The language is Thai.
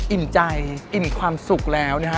อิ่มใจอิ่มความสุขแล้วนะฮะ